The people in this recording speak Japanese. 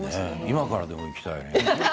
今からでも行きたいね。